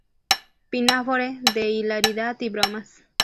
Pinafore" de hilaridad y bromas.